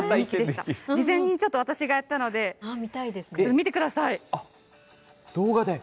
事前にちょっと私がやったので、見てください。